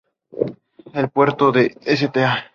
El Puerto de Sta.